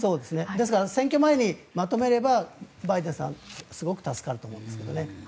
ですから選挙前にまとめればバイデンさん、すごく助かると思うんですけどね。